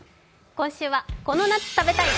今週は「この夏食べたい！